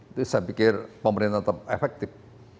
itu saya pikir pemerintah tetap efektif